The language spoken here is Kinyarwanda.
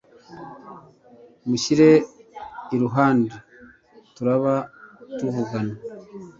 mushyire iruhande turaba tuvugana